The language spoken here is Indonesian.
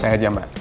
saya ajeng mbak